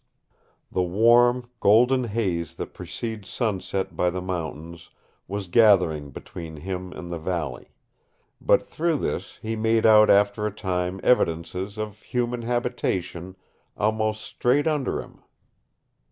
The warm, golden haze that precedes sunset in the mountains, was gathering between him and the valley, but through this he made out after a time evidences of human habitation almost straight under him.